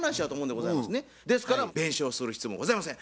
ですから弁償する必要もございません。